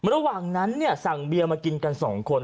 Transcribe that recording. ระหว่างนั้นสั่งเบียร์มากินกัน๒คน